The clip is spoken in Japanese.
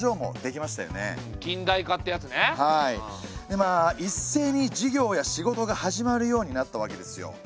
でまあ一斉に授業や仕事が始まるようになったわけですよ。